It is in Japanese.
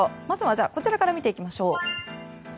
まずはこちらから見ていきましょう。